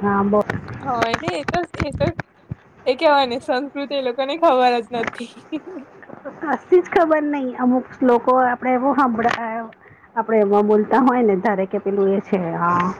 હા બો. હા એ એ તો એ તો જ એ કેવાય ને સંસ્કૃતિ એ લોકોને ખબર જ નથી. કશીજ ખબર નહિ, અમુક લોકો આપડે એવો સાંભડે હ આપડે એમાં બોલતા હોય ને, ધારે કે પેલું એ છે હા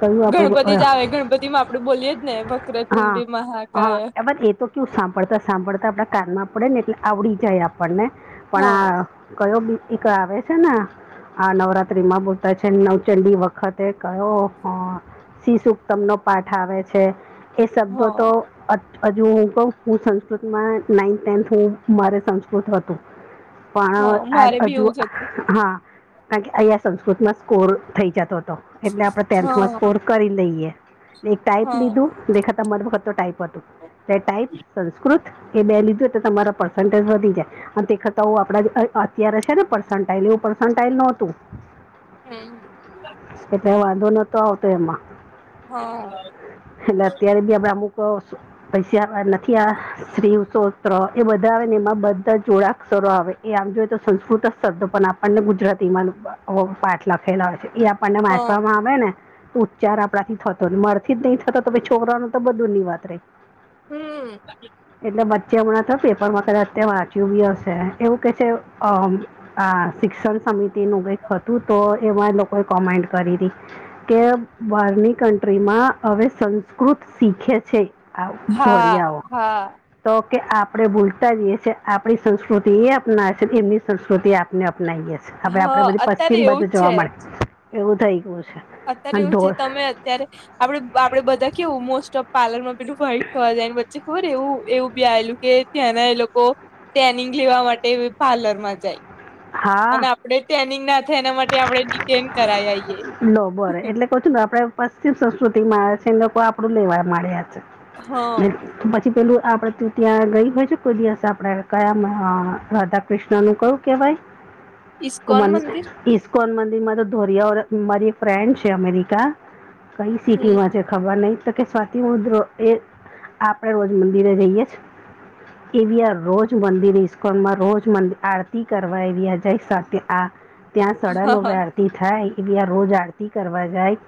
કયું આપડું ગણપતિ જ આવે ગણપતિ માં આપડે બોલીએ જ ને હા વક્રતુંડી મહાકાય હા એ એતો કયું સાંભળતા સાંભળતા આપડા કારમાં પડે ને એટલે આવડી જાય આપણને, પણ હા આ કયો એક આવે છે ને. હ નવરાત્રી માં બોલતા છે નવચંડી વખતે કયો શિશુત્તમ નો પાઠ આવે છે. એ શબ્દો તો હા અજ હજુ હું કહ હું સંસ્કૃતમાં નાઈન્થ ટેન્થ હું મારે સંસ્કૃત હતું, હા પણ મારે આ બી હજુ એવું જ હતું હા કારણ કે અહીંયા સંસ્કૃતમાં સ્કોર થઈ જાતો હતો, એટલે આપણે ટેન્થમાં હા સ્કોર કરી લઈએ. એક ટાઈપ હા લીધું, લેખકતમ મનહુ કરતો ટાઈપ હતો, એટલે ટાઈપ, સંસ્કૃત એ બે લીધું એટલે તમારા પર્સન તલ વધી જયા, અને તે કરતા ઓ આપડા જે અત અત્યારે છે ને પર્સેન્ટાઇલ એવું પર્સેન્ટાઇલ નોતું. [inaudible] હમ્મ શકટ વાંધો નતો આવતો એમાં. હા એટલે અત્યારે બી આપડે અમુક પૈસા આ લખિયા સ્ત્રી સોત્ર એ બધા આવે એમાં બધા જોડાક્ષરો આવે, એ આમ જોએ તો સંસ્કૃત જ શબ્દો પણ આપણને ગુજરાતી માં વો પાઠ લખેલા હોય છે, ઈ આપણને હા વાંચવામાં આવે ને, ઉ ચાર આપડા થી થતો નહિ, મારા થીજ નહી થતો, તો છોકરાનું તો બધું ની વાત રહી. હમ્મ એટલે બચ્ચે હમણાં તો પેપર માં કાદાચ તે વાંચ્યું બી હશે, એવું કેશે, અ આ શિક્ષણ સમિતિ નું કઈક હતું તો, એમાં લોકોએ કોમેન્ટ કરી તી. કે બારની કન્ટ્રીમાં હવે સંસ્કૃત શીખે છે. આવ હા ધોરી આવો, હા તો કે આપણે ભૂલ કરીએ છે, આપણી સંસ્કૃતિ એ અપનાવે છે, એમની સંસ્કૃતિ આપને અપનાવીએ છીએ. હવે આપડે હા બધી અત્યારે પશ્ચિમ એવું બાજુ જ જવા મળે છે, એવું થઈ ગયું છે. અત્યારે અને એવું છે, ધોળ તમે અત્યારે આપડે આપડે બધા કેવું મોસ્ટ ઓફ પાર્લર માં પેલું વાઇટ થવા જાય, એને વચ્ચે ખબર એવું એવું બી આયલું કે ત્યાંના એ લોકો ટ્રેનિંગ લેવા માટે બી પાર્લર માં જાય. હા. આપણે ટેનિંગ ના થાય એના માટે આપડણે ડિટેન કરાઇ આઇયે. લો બોલે, એટલે કહુ છુંને, આપડે પશ્ચિમ સંસ્કૃતિમાં આવે છે, એ લોકો આપડું લેવા માંડ્યા છે. હા [unintelligible] ટીપેલું આપણે તું ત્યાં ગઈ હોય છે કોઈ દિવસ, આપણે કયા અ આ રાધાકૃષ્ણનું કહું કેવાય? [inaudible] ઈસ્કોન અમાની મંદિર ઈસ્કોન મંદિર માં તો ધોરિયા ઓ, મારી એક ફ્રેન્ડ છે અમેરિકા. કઈ હમ સિટીમાં છે? ખબર નહિ, તો કે સ્વાતિ મુદ્રો એ આપણેે રોજ મંદિરે જઈએ છે. એવી આ રોજ મંદિર ઇસ્કોનમાં રોજ મંદિર આરતી કરવા એવી આ જાય સાથે આ ત્યાં સાડા નવે આરતી થાય, એવી આ રોજ આરતી કરવા જાય,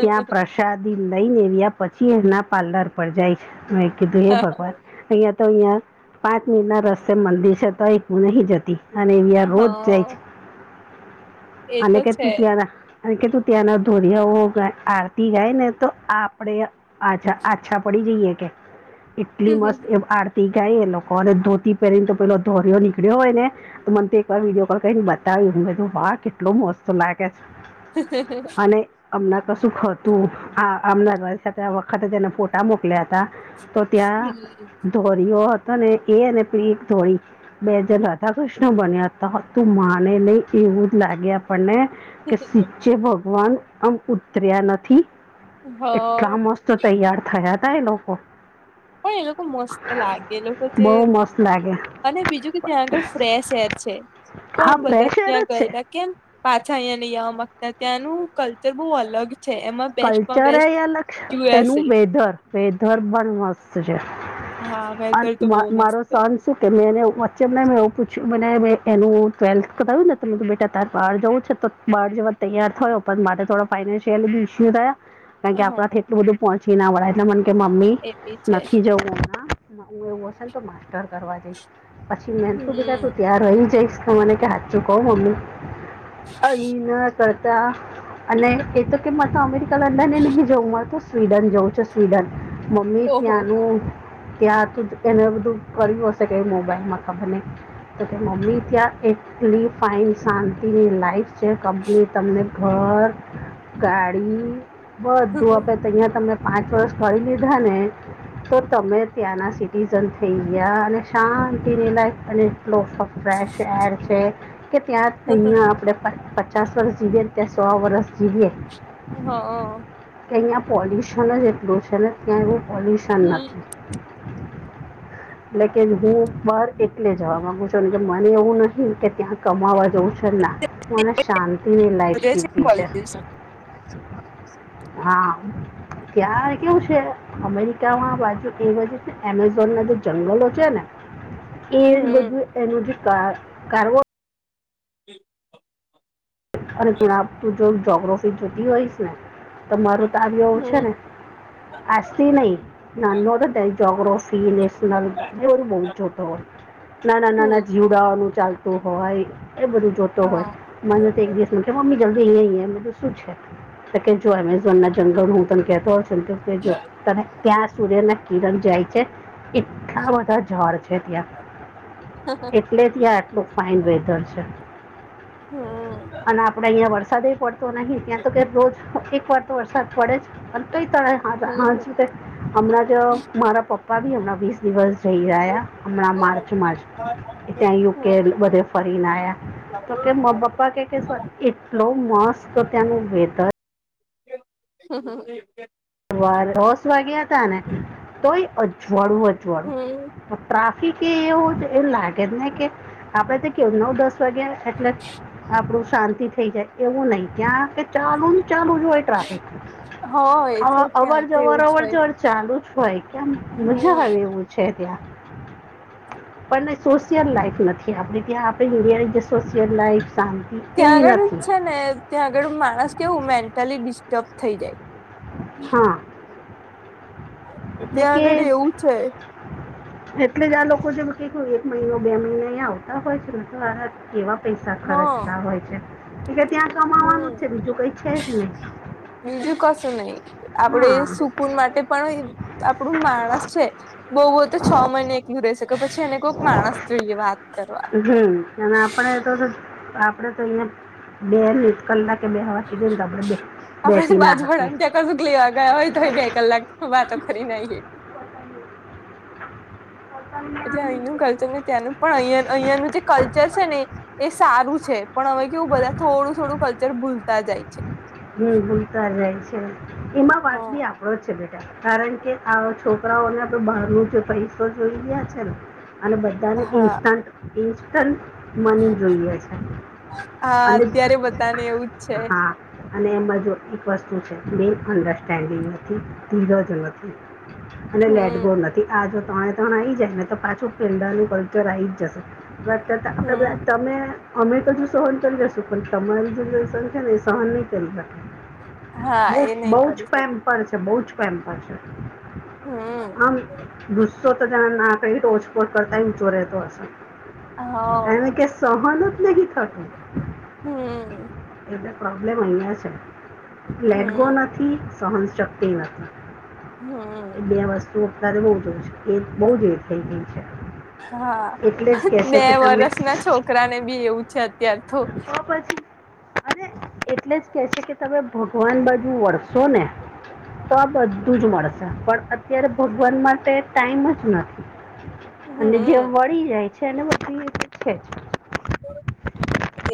ત્યાં પ્ર શાદી લઈને એનીઆ પછી એના પાર્લર પર જાય છે, મેં કીધું હે ભગવાન અહિયાંયા તો અહિયાં, પાંચ મિનિટ ના રસ્તે મંદિર છે, તોહે હુંલી જતી. અને એવી આ રોજ જાય હા છે. એ તો છે. રા અને કીધું ત્યાંના ધોરિયાઓ આરતી ગાય ને તો આપડે અચ્છા આ્છા પડી જઈએ કે એટલી હમ હ મસ્ત એ આતી [inaudible] તી ધોતી ગાય એ લોકો અને ધોતી પહેરીને તો પેલો ધોરયો નીકળ્યો હોય ને તો મને તો એક વાર વિડીયો કોલ કરીને બતાવ્યું કે વાહ કેટલો મોસ્ત તો લાગે છે [unintelligible] અને હમણાં કશુંક હતું, આ અમના રોલ સાથે આ વખતે તેનના ફોટા મોકલ્યા હતા. તો ત્યાં, ધોરીઓ હતો ને, એ અને પેલી એક ધોરી. બે જણ રાધાકૃષ્ણ બન્યા તા, તું માને નઈ એવી લાગે આપણ આપને, કેસીચે ભગવાન આમ ઉતર્યા નથી. એટલા મસ્ત તૈયાર થયા તા એ લોકો. પણ એ લોકો મસ્ત લાગે, એ લોકો ચી બહુ મસ્ત લાગે. અને બીજું કે ત્યાં આગળ ફ્રેશ એર છે. હા કોણ બધા ફ્રેશ એર ત્યાં જ છે ગયેલા કેમ? પાછા અહીંયા વા માંગતા ત્યાંનું કલ્ચર બહુ અલગ છે એમાં બેસ્ટમાં કલ્ચરે બેસ્ટ અલગ યુએસએ એનું વેધર વેધર પણ મસ હા [inaudible] અન વેધર તો બહુ માર મસ્ત મારો સન શું કે મેં એને વચ્ચે મને મેં એવું પૂછ્યું મને મે એનું ટ્વેલ્થ કરાવ્યું ને ત મને કે બેટા તારે બહાર જવું છે તો બાર જવા તૈયાર થયો, પણ મારે થોડો ફાઈઇનેન્શિયલ- થયા કારણ કે, હા આપણા એટલું બધું પહોંચી ના વળે એટલે મ કે મમ્મી એ બી છે નથી જવું ના હું એવું હશે ને તો માસ્ટર કરવા જઈશ. પછી મેન તું બીધા હમ તું ત્યાં રહી જઈશ. મને કે હાથચું ક મમ્મી અ કરતા અને કહેતો કે મા તો અમેરિકા લંડને નહીં જવું મળત સ્વીડન જવં છે સ્વીડન મમ્મી ઓહો ત્યાંનું ત્યાં તું એને બધું કર્યું હશે કે મોબાઈલ માં ખબર નઈ ત મમ્મી ત્યા એક ફન શાંતિની લાઈફ છે કઃપની તમને ઘર, ગાડી બધું આપે હા અહં તમે પાંચ વર્ષ કરી લીધા ને તો તમે ત્યાંના સિટીઝન થઈ ગયા અને શાંતિની લાયફ અને ફ્રેશ એર છે કે ત્યાં અહીંયા આપણે પચાસ વરસ જીધ તે સોવા વરસ જીવયે. હ કે અહંયા પોલ્યુશન જ એટલું છે ને ત્યાં એવું પોલ્યુશન હમ. નથી. [inaudible] એટલે કે હું બહાર એકલે જવા માગુ છું કે, મને એવું નહી કે ત્યાં કમાવા જઉં છે ના મને શાંતિની લાઈફ વધે જીવવી છે. પોલ્યુશન. હા ત્યાાર કેવું છે અમેરિકામાં બાજુ એ બાજુ છેને એમેઝોન ના જે જંગલો છે ને એ હમ બધું એનું જે કાર કાર હો [inaudible] અરે તું જો જ્યોગ્રફી જોતી હોય તો મારું તો આવ્યું એવું છે હમ ને આજથી નહ નાનો હતો ને જોગ્રફી, નેશનલવ બહુ જોતો હોય છે. નાના નાના હમ જીવડાઓનું ચાલતું હોય એ બધું જોતો હોય હા મને‌ એક દિવસ મ મમ્મી જલ્દી લ તો શું છે જો જંગલ હું તને કેતો ં [inaudible] તોષજ તમે ત્યાં સૂર્ય ના કિરણ જાય છે. એટલા બધા જર છે ત્યાં એટલે ત્યા આં આટલું ફાઈન વેધર છે. હમ અને આપડે અહિયાયા વરસાદ પડતો નહી ત્યાં તો રોજ એક વાર તો વરસાદ પડે જ પણ કઈ ત હમ. હા હમણાં તો મારા પપ્પા ભી હમણાં વીસ દિવસ જઈ આયા. હમણાં માર્ચમાંર્ જ ત્યાં યુકે બધે ફરીને આવ્યા તો કે પા કે એટલો મસ્ત ત્યાંનું વેધર હા હા દસ વાગ્યા હતા ને તોય અજવાળું અજવાળું. હમ ટ્રાફિક એ એવું એમ લાગે જ ને કે આપડે તો કેવું નવ દસ વાગે એટલે આપણું શાંતિ થઈ જાય એવું નહી ત્યાં ચાલુ ચાલુ જ હોય ટ્રાફિક. હોય તો ત્યાં અવર તો જવર એવું જ અવર હોય જવર ચાલુ જ હોય કેમ મજા હમ. આવે એવું છે. છે ત્યાં. પણ સોશિયલ લાઈફ નથી આપડ ત્યાં આપે ઇન્ડિયાની જે સોશિયલ લાઈફ ત્યાં એવી આગળ નથી છે ને ત્યાં આગળ માણસ કેવું મેન્ટલી ડિસ્ટર્બ થઈ જાય. હા. એટલે ત્યાં કે આગળ એવું છે એટલે જ આ લોકો જે ક એક મહિનો બે મહિનો અયા આવતા હોય છેને તો આ કેવા પૈસા ખર્ચ હા ના હોય છે, એટલે ત્યાં કમાવાનું હમ. જ છે બીજું કઈ છે જ નહી. બીજું કશું નહી, આપડે હા સુકૂન માટે પણ આપણું માણસ છે, બહુ બહ તો છ મહિને એકલું રહેશે કે પછી એને કોઈક માણસ જોઈએ વાત કરવા હમ અને આપડે તો આપડે તો અને બે કલાકે બેવહા કીધું તો આપડ આપડે બેસી ના શકીયે બાજવાળાને ત્યાં કશુંક લવા ગયા હોય તોયે બે કલાક વાતો કરી ને આયે એટલે અહીંનું કલ્ચર ને ત્યાંનું પણ અહયા અહિયાયાનું જે કલ્ચર છે ને એ સારું છે પણ હવે કેવું બધા થોડું થોડું કલ્ચર ભૂલતા જાય છે હમ્મ હમ્મ તા રહે છે એમાં વાત બી હ આપ એવું છે બેટા કારણ કે આ છોકરાઓને આપડણે બહારું જો પૈસો જોઈ ગયા છે ને અને બધાને હા ઇન્સ્ટન્ટ ઇન્સ્ટન્ટ મની જોઈએ છે હા અને અત્યારે બધાને એવું જ છે હા અને એમાં જો એક વસ્તુ છે મેન અન્ડરસ્ટેન્ડિંગ નથી ધીરજ નથી અને હમ લેટગો નથી આ જો તોન તણ આવી જાય ને તો પાછું પેહલા નું કલ્ચર આયી જ જશે વાત કરતા આપે બઘા હમ તમે અમે તો હજુ સહન કરી લશું પણ તમારી જનરેશન છે ને એ સહન ની કરી શકે હા એ બસ નહી બોજ કરી શકે પ્રેમ પડે છે બો જ પ્રેમપ છે હમ આમ [unintelligible] [unintelligible] રોજકોર કરતાય ઊંચો રહેતો હશે હ એને કે સહન જ નહી થતું હમ એટલે પ્રોબ્લેમ અહિયા છે લેટગો હમ નથી સહનશક્તિ નથી હમ્મ એ બે વસ્તુ અત્યારે બોહ જ એ બોહ જ એ થઈ ગઈ છે હા એટલે જ કહે બે છે કે તમે વરષ ના છોકરા ને બી એવું છે અત્યારે તો પછી અરે એટલે જ કે છે કે તમે ભગવાન બાજુ વળશો ને તો આ બધ ધુંજ મળશે પણ અત્યારે ભગવાન માટે ટાઈમ જ નથી. અને જે હમ વળી જાય છે એને બધી એ જે છેજ.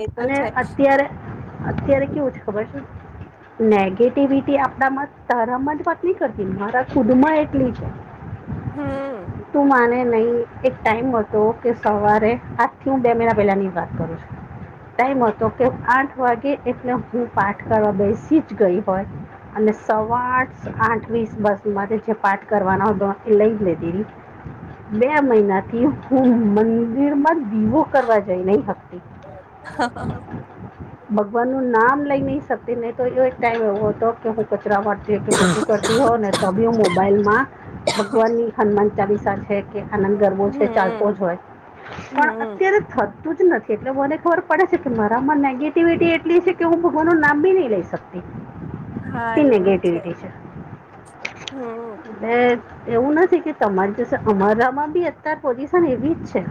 એ તો અને છે અત્યારે અત્યારે કેવું છે ખબર છે નેગેટિવિટી આપડામાંજ તારમાંજ વાત નહીં કરતી મારા ખુદમાં એટલી છે. હમ તું માને નહી એક ટાઈમ હતો કે સવારે આઠ થી હું બે મહિના પહેલાની વાત કરું છું ટાઈમ હતો કે આઠ વાગે એટલે હું પાઠ કરવા બેસી જ ગઈ હોય અને સવા આઠ વીસ બસ માટેરે જે પાઠ કરવાનો હતો એ લઈ લેતી હતી બે મહિનાથી હું મંદિર માં દીવો કરવા જઈ નહી હતી. ભગવાન નું નામ લઈ નહી શકતી નહી તો એ એક ટાઈમ એવો હતો કે હું કચરા વારતી કે પોતુ કરતી હો ને ત બી મોબાઈલ માં ભગવાનની હનુમાન ચાલીસા છે કે આનંદ ગરવો છે હમ ચાલતો જ હોય. પણ હમ અત્યારે થતું જ નથી એટલે બને ખબર પડે છે કે મારા આમાં નેગેટિવિટી એટલી છે કે હું ભગવાનું નામ બી નહી લઈ શક તી હા એટલી એ બી નેગેટિવિટી છે. હમ એટ એવું નથી કે તમારી અમરરામાં બી અત્યારે પોઝિશન એવી જ છે.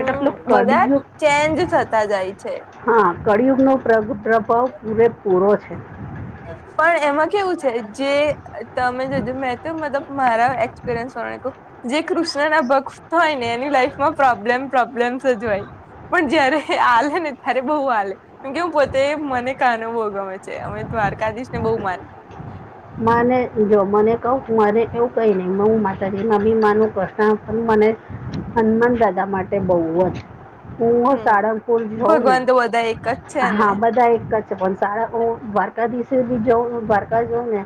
એટલે પેલું બધા કડિયુગ ચેન્જ થતા જાય છે. હા કળિયુગ નો પ્રભાવ પૂરે પૂરો છે. પણ એમાં કેવું છે જે તમે મે તો મતલબ મારા એક્સપિરિયન્સ પ્રમાણે ક જે કૃષ્ણ ના ભક્ત હોય ને એની લાઈફમાં પ્રોબ્લેમ પ્રોબ્લેમ સ જ હોય. પણ જયારે આલે ને ત્યારે બહુ આલે. કેમકે હું પોતે મને કાનો બહુ ગમે છે અમે દ્વારકાધીશ ને બહુ માની. માને જો મને કહું મારે એવું કઈ નહીં હું માતાજીના અભિમાનું કૃષ્ણ પણ મને હનુમાન દાદા માટે બહ જ. હું હમ સાારંગપુર જોઉં ને ભગવાન તો બધા એક જ છે ને હા બધા એક જ પણ સાર ઓ દ્રરકાાદીશ જો દ્વારકા જો વને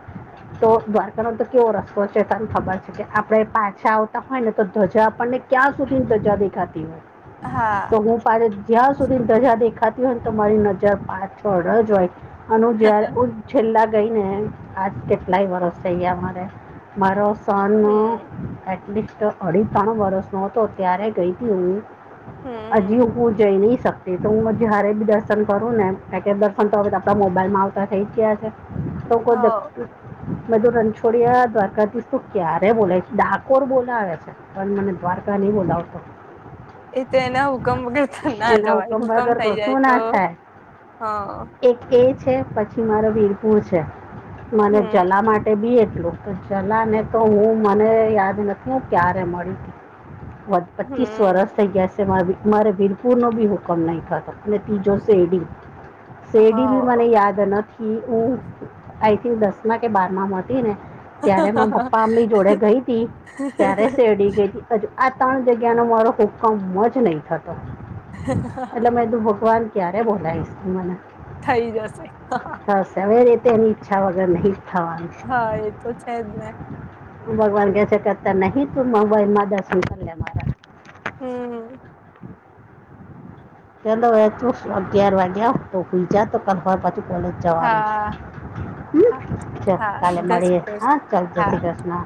તો દ્વારકા નો તો કેવો રસ્તો છે તને ખબર છે કે, આપણે પાછા આવતા હોય ને તો ધ્વજા આપણને ક્યા સુધીન દજ્જા દેખાતી હું હા તો હું. મારે જ્યાં સુધી દરિયા દેખાતી હોય ને તમારી નજર પાછળ જ હોય. અને હ જ હ છેલ્લા ગઈ ને આજ કેટલાય વરષ થઈ અમારે મારો સોન હમ એટલીસ્ટ અઢી ત્રણ વરસ નો હતો ત્યારે ગઈતી હય હમ હજી હું જઈ નહી શકી. એ તો હું જ્યારે બી દર્શન કરું ને પેકે દર્શન તો હવે આપણા મોબાઈલમાં આવતા થઈ જ ગયા છે. સૌ હ કોઈ દર મેં તો રણછોડિયા દ્વારકાથીશ તું ક્યારે બોલાય? ડાકોર બોલા આવે છે. પણ મને દ્વારકા નહીં બોલાવતો. એ તો એના હુકમ વગર ના એના જવાય હુકમ વગર થઇ જાય કશું ના તો થાય હ. એક એ છે પછી મારો વીરપુર છે મને હમ જલા માટે તે બી એટલું ચલા ને તો હું મને યાદ નથી હું ક્યારે મળી.? પચીસ હમ વરષ થઇ ગયા. મારે વીરપુરનો બી હુકમ નહીં થાતો અને ત્રીજો શેરડી. હ શેડી ભી મને યાદ નથી હું આઈ થિંક દસ માં કે બાર માં મા હતી ને ત્યારે મા પપ્પા અમ્મી જોડે ગઈ ત હતી ત્યારે શેરડી ગઈતી. હજુ આ ત્રણ જગ્યા નો મારો હુકમ જ નહી થતો. એટલે મેં તું ભગવાન ક્યારે બોલાઈશું મને? થઈ જશે હ. સરશે હવે એ રીતે એની ઈચ્છા વગર નહી થવાની છે. હા એ તો છે જ ને ભગવાન કસ કરતા નહી તું મ માં દર્શન કર. હમ ચલો વચું અગિયાર વાગ્યા તો ભઈ જ તો કફર્મ પછી કોલેજ જવાનું હા છે. હા હમ ચ હા કાલે જય શ્રી મળીએે હા કૃષ્ણ ચાલ જ હા શ હા કૃષ્ણ.